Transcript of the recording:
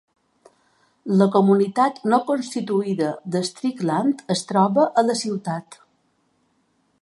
La comunitat no constituïda de Strickland es troba a la ciutat.